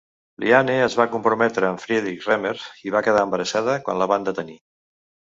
Liane es va comprometre amb Friedrich Rehmer i va quedar embarassada quan la van detenir.